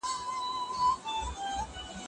دا موضوع زما لپاره یو نوی علمي سفر و.